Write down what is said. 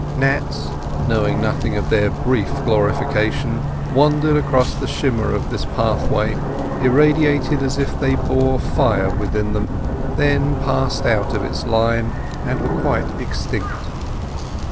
Gnats, knowing nothing of their brief glorification, wandered across the shimmer of this pathway, irradiated as if they bore fire within them, then passed out of its line, and were quite extinct.